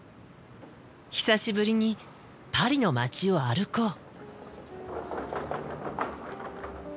久しぶりにパリの街を歩こう。